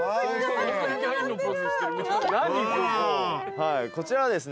はいこちらはですね